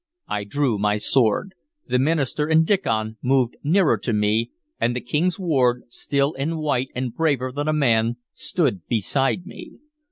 I drew my sword. The minister and Diccon moved nearer to me, and the King's ward, still and white and braver than a man, stood beside me.